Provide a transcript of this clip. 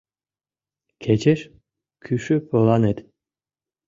Кечеш кӱшӧ поланет.